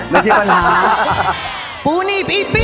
แล้วใช่ปัญหา